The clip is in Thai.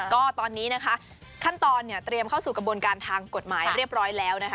ก็ตอนนี้นะคะขั้นตอนเนี่ยเตรียมเข้าสู่กระบวนการทางกฎหมายเรียบร้อยแล้วนะคะ